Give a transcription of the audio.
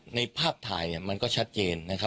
คือในภาพถ่ายมันก็ชัดเจนนะครับ